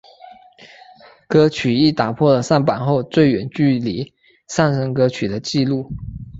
歌曲亦打破了上榜后最远距离上升歌曲的记录。